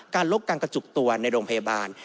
ลบการกระจุกตัวในโรงพยาบาล